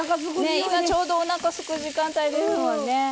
今ちょうどおなかすく時間帯ですもんね。